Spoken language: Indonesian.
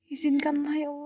izinkanlah ya allah